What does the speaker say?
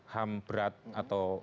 ham berat atau